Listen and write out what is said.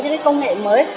những cái công nghệ mới